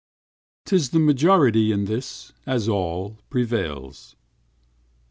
'T is the majorityIn this, as all, prevails.